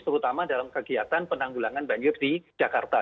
terutama dalam kegiatan penanggulangan banjir di jakarta